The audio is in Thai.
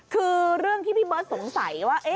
คือเรื่องที่พี่เบิร์ตสงสัยว่า